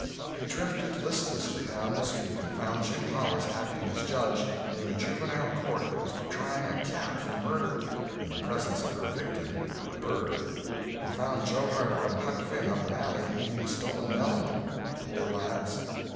He drifted listlessly down the street and found Jim Hollis acting as judge in a juvenile court that was trying a cat for murder, in the presence of her victim, a bird. He found Joe Harper and Huck Finn up an alley eating a stolen melon. Poor lads!